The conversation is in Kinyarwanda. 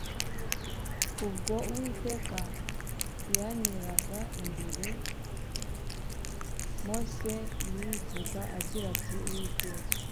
ubwo Uwiteka yanyiraga imbere ya Mose yivuga agira ati: " Uwiteka,